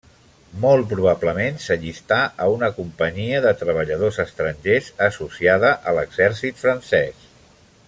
Molt probablement s’allistà a una Companyia de Treballadors Estrangers associada a l’exèrcit francès.